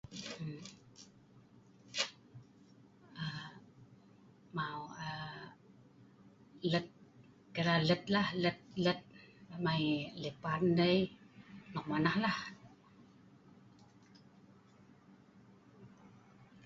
Aa mau aa let' kira let' la, let' let' mai lipan dei nok ma'nah lah